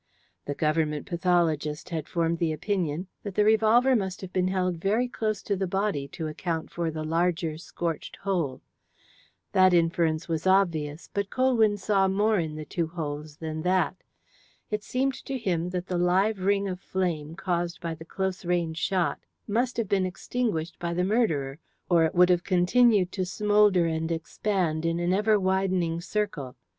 The Government pathologist had formed the opinion that the revolver must have been held very close to the body to account for the larger scorched hole. That inference was obvious, but Colwyn saw more in the two holes than that. It seemed to him that the live ring of flame caused by the close range shot must have been extinguished by the murderer, or it would have continued to smoulder and expand in an ever widening circle.